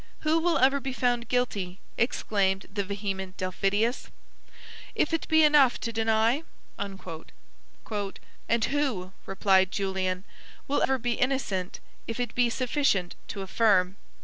"Who will ever be found guilty," exclaimed the vehement Delphidius, "if it be enough to deny?" "And who," replied Julian, "will ever be innocent, if it be sufficient to affirm?"